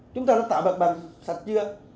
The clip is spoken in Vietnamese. chúng ta đã tạo bạc bằng sạch chưa